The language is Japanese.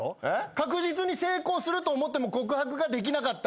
確実に成功すると思っても告白ができなかった。